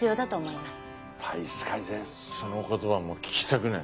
その言葉はもう聞きたくない。